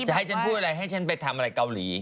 ให้ฉันพูดอะไรให้ฉันไปทำอะไรเกาหลี